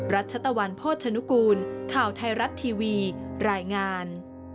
รัชตะวันโภชนุกูลข่าวไทยรัฐทีวีรายงาน